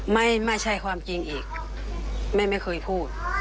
ไม่ใช่ความจริงอีกแม่ไม่เคยพูด